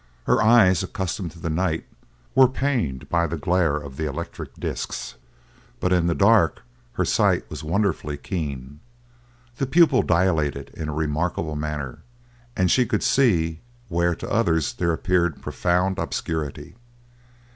Her eyes, accustomed to the night, were pained by the glare of the electric discs; but in the dark her sight was wonderfully keen, the pupil dilated in a remarkable manner, and she could see where to others there appeared profound obscurity.